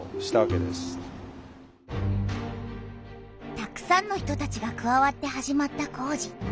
たくさんの人たちがくわわって始まった工事。